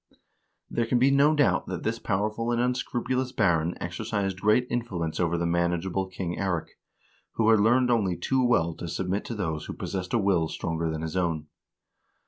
There can be no doubt that this powerful and unscrupulous baron exercised great influence over the manageable King Eirik, who had learned only too well to submit to those who possessed a will stronger than his own.